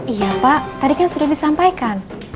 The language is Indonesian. iya pak tadi kan sudah disampaikan